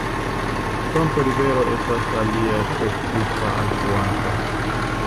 Tonto-Rivero estas alia precipa alfluanto.